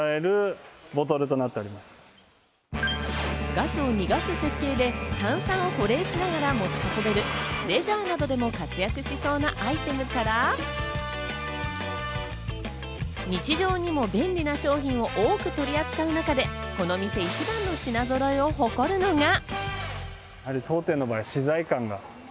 ガスを逃がす設計で炭酸を保冷しながら持ち運べる、レジャーなどでも活躍しそうなアイテムから日常にも便利な商品を多く取り扱う中で、この店一番の品揃えを誇るのが。